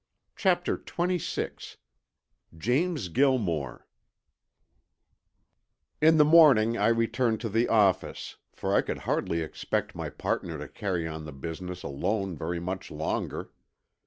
CHAPTER XXVI JAMES GILMORE In the morning I returned to the office, for I could hardly expect my partner to carry on the business alone very much longer.